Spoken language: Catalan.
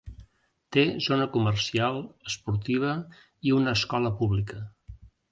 Té zona comercial, esportiva i una escola pública.